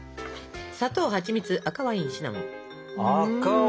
砂糖はちみつ赤ワインシナモン！